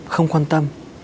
không quan tâm